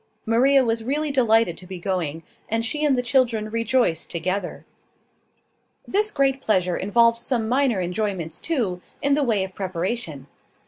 Maria was really delighted to be going, and she and the children rejoiced together. This great pleasure involved some minor enjoyments too, in the way of preparation.